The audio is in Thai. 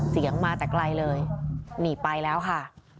เสียงมาแต่ไกลเลยหนีไปแล้วค่ะ